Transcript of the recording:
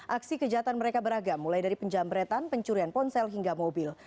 aksi kejahatan mereka beragam mulai dari penjambretan pencurian ponsel hingga mobil